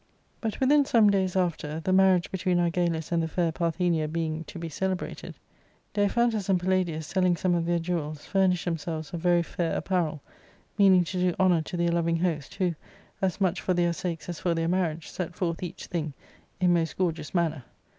But, within some days after, the marriage between Argalus and the fair Parthenia being to be celebrated, Daiphantus and Palladius seUing some of their jewels, furnished them selves of very fair apparel, meaning to do honour to their loving host, who, as much for their sakes as for their marriage, set forth each thing in most gorgeous manner.